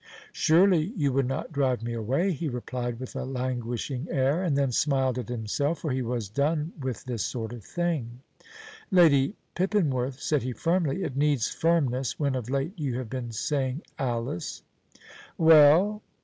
"Surely you would not drive me away," he replied with a languishing air, and then smiled at himself, for he was done with this sort of thing. "Lady Pippinworth," said he, firmly it needs firmness when of late you have been saying "Alice." "Well?"